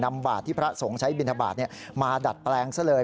นำบาทที่พระสงชัยบินทบาทมาดัดแปลงซะเลย